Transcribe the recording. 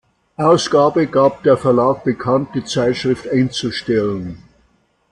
Ausgabe gab der Verlag bekannt die Zeitschrift einzustellen.